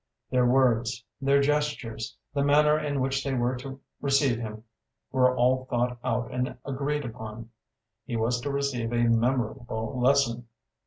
Their words, their gestures, the manner in which they were to receive him, were all thought out and agreed upon: he was to receive a memorable lesson.